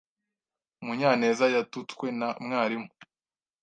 Munyaneza yatutswe na mwarimu.